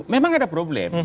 memang ada problem